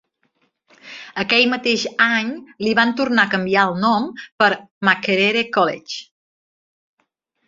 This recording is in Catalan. Aquell mateix any li van tornar a canviar el nom per Makerere College.